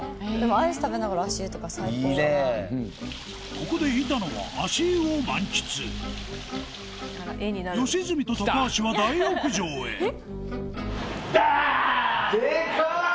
ここで板野は足湯を満喫良純と高橋は大浴場へダーン！でか！